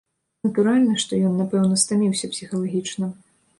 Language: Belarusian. Натуральна, што ён напэўна стаміўся псіхалагічна.